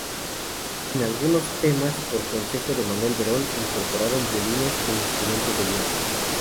En algunos temas, por consejo de Manuel Berón, incorporaron violines e instrumentos de viento.